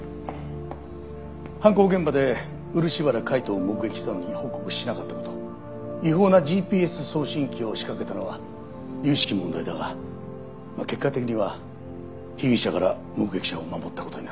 犯行現場で漆原海斗を目撃したのに報告しなかった事違法なＧＰＳ送信器を仕掛けたのは由々しき問題だが結果的には被疑者から目撃者を守った事になる。